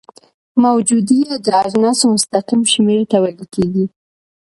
موجودیه د اجناسو مستقیم شمیر ته ویل کیږي.